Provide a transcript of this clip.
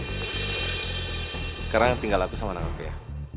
sekarang tinggal aku sama anak aku ya